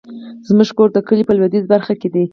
زمونږ کور د کلي په لويديځه برخه کې ده